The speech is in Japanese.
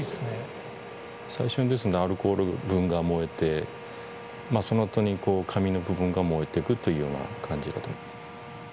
最初にアルコール分が燃えて、そのあとにこう、紙の部分が燃えてくっていうような感じだと思う。